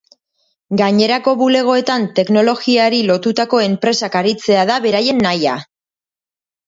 Gainerako bulegoetan teknologiari lotutako enpresak aritzea da beraien nahia.